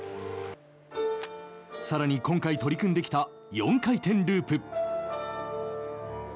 さらに今回取り組んできた４回転ループ。